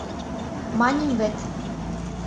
— Маньым вет.